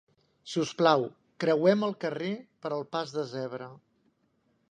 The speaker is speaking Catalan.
Si us plau creuem el carrer per el pas de zebra